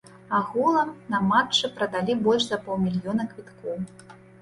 Агулам, на матчы прадалі больш за паўмільёна квіткоў.